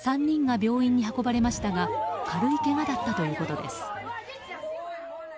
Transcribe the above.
３人が病院に運ばれましたが軽いけがだったということです。